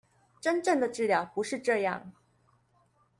真正的治療不是這樣